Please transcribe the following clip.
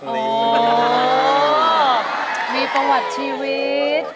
อ๋อมีประวัติชีวิต